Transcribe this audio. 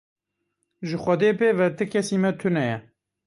Ji Xwedê pê ve ti kesî me tune ye.